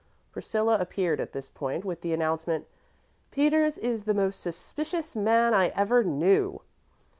Priscilla reappeared at this point with the announcement, "Peters is the most suspicious man I ever knew!"